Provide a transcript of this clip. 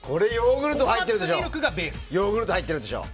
これヨーグルト入っているでしょ。